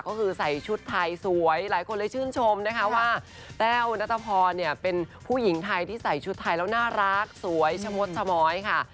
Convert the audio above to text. ก็คือใส่ชุดไทยสวยหลายคนเลยชื่นชมนะคะว่าแต้วนัทพรเนี่ยเป็นผู้หญิงไทยที่ใส่ชุดไทยแล้วน่ารักสวยชะมดชะม้อยค่ะ